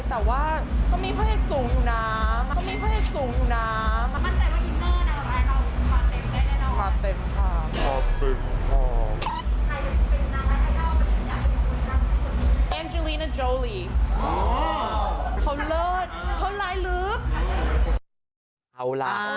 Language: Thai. แต่ว่าก็มีพระเอกสูงอยู่น้ำ